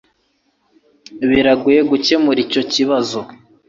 Birangoye gukemura icyo kibazo.